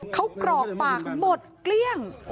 เขากรอกปากหมดเกลี้ยง